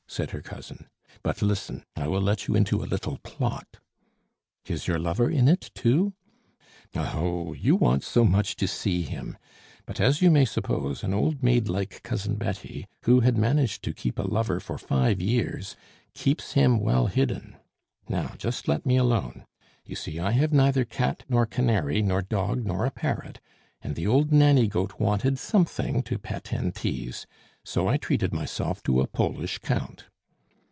said her cousin. "But, listen, I will let you into a little plot." "Is your lover in it too?" "Oh, ho! you want so much to see him! But, as you may suppose, an old maid like Cousin Betty, who had managed to keep a lover for five years, keeps him well hidden. Now, just let me alone. You see, I have neither cat nor canary, neither dog nor a parrot, and the old Nanny Goat wanted something to pet and tease so I treated myself to a Polish Count."